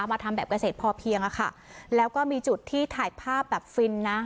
ทำแบบเกษตรพอเพียงอะค่ะแล้วก็มีจุดที่ถ่ายภาพแบบฟินนะ